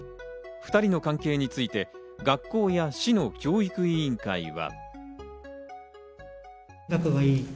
２人の関係について学校や市の教育委員会は。